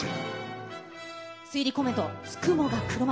推理コメント、つくもが黒幕。